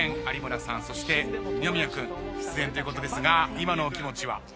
有村さんそして二宮君出演ということですが今のお気持ちは？